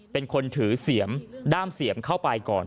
เป็นคนถือเสียมด้ามเสียมเข้าไปก่อน